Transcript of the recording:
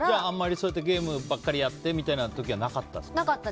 あんまりそうやってゲームばっかりやってみたいなのはなかったんですか。